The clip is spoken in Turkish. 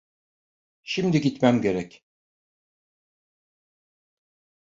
Şimdi gitmem gerek.